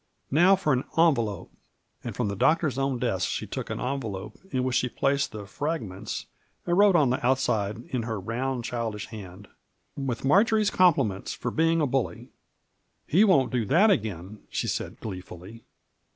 "Now for an envelope 1 " and from the Doctor's own desk she took an envelope, in which she placed the frag ments, and wrote on the outside in her ronnd, childish hand, " With Marjory's compliments, for being a bully.'' "He won't do that again," she said, gleefully.